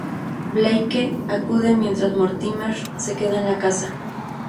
Blake acude, mientras Mortimer se queda en la casa.